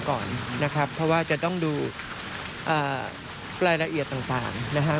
ก่อนนะครับเพราะว่าจะต้องดูรายละเอียดต่างนะฮะ